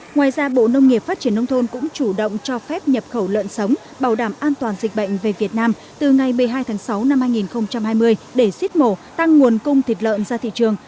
ngoài ra bộ nông nghiệp phát triển nông thôn cũng chủ động cho phép nhập khẩu lợn sống bảo đảm an toàn dịch bệnh về việt nam từ ngày một mươi hai tháng sáu năm hai nghìn hai mươi để xít mổ tăng nguồn cung thịt lợn ra thị trường